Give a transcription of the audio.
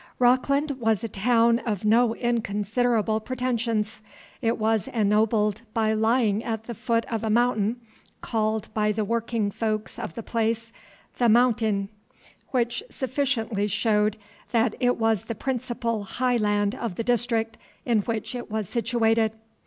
Rockland was a town of no inconsiderable pretensions. It was ennobled by lying at the foot of a mountain, called by the working folks of the place "the Maounting," which sufficiently showed that it was the principal high land of the district in which it was situated.